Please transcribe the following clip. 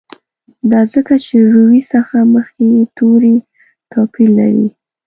دا ځکه چې روي څخه مخکي یې توري توپیر لري.